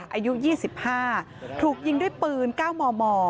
อายุ๒๕ถูกยิงด้วยปืน๙มม